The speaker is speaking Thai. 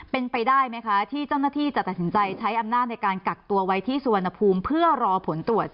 เป็นไปได้ไหมคะที่เจ้าหน้าที่จะตัดสินใจใช้อำนาจในการกักตัวไว้ที่สุวรรณภูมิเพื่อรอผลตรวจ